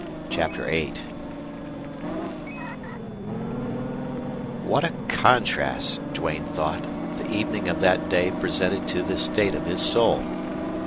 CHAPTER VIII What a contrast, Duane thought, the evening of that day presented to the state of his soul!